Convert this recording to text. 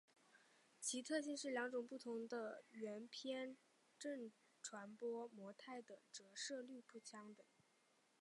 其特性是两种不同的圆偏振传播模态的折射率不相等。